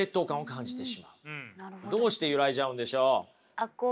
どうして揺らいじゃうんでしょう？